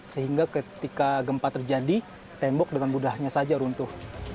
sehingga ketika gempa terjadi tembok dengan mudahnya saja runtuh